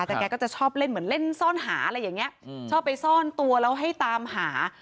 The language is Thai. แต่แกก็จะชอบเล่นเหมือนเล่นซ่อนหาอะไรอย่างนี้ชอบไปซ่อนตัวแล้วให้ตามหา